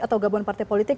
atau gabungan partai politik